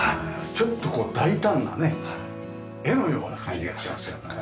ちょっとこう大胆なね絵のような感じがしますよね。